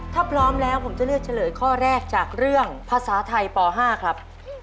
ถ้าพร้อมแล้วผมจะเลือกเฉลยข้อแรกจากเรื่องภาษาไทยป๕ครับ